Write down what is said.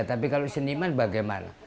tapi kalau seniman bagaimana